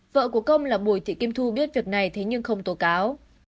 vợ của công là bùi thị kim thu biết việc này thế nhưng không tố cáo